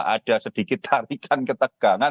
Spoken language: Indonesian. ada sedikit tarikan ketegangan